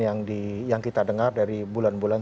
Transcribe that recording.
yang kita dengar dari bulan bulan